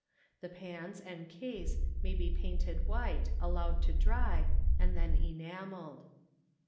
The pans and case may be painted white, allowed to dry, and then enameled.